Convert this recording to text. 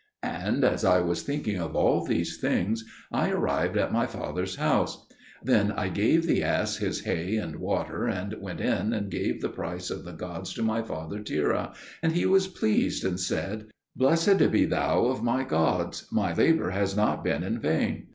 And as I was thinking of all these things, I arrived at my father's house. Then I gave the ass his hay and water, and went in and gave the price of the gods to my father Terah, and he was pleased and said, "Blessed be thou of my gods: my labour has not been in vain."